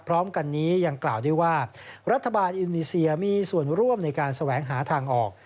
พร้อมกันนี้ยังกล่าวด้วยว่ารัฐบาลอินโดนีเซียมีส่วนร่วมในการแสวงหาทางออก